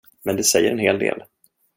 Men det säger en hel del.